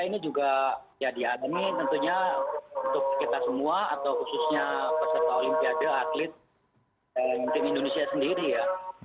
ini juga ya dialami tentunya untuk kita semua atau khususnya peserta olimpiade atlet tim indonesia sendiri ya